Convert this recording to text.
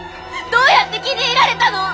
どうやって気に入られたの！？